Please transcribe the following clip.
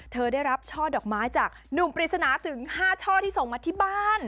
เธอได้รับช่อดอกไม้จากหนุ่มปริศนาถึง๕ช่อที่ส่งมาที่บ้าน